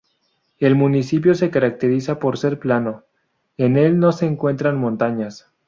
El municipio se caracteriza por ser plano, en el no se encuentran montañas.